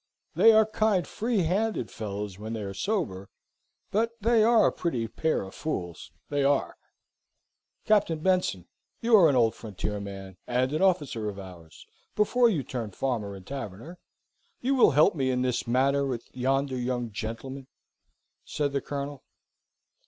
They are kind, free handed fellows when they are sober, but they are a pretty pair of fools they are." "Captain Benson, you are an old frontier man, and an officer of ours, before you turned farmer and taverner. You will help me in this matter with yonder young gentlemen?" said the Colonel.